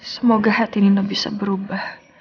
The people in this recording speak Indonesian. semoga hati nina bisa berubah